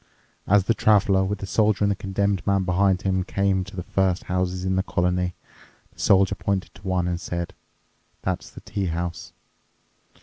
As the Traveler, with the Soldier and the Condemned Man behind him, came to the first houses in the colony, the Soldier pointed to one and said, "That's the tea house."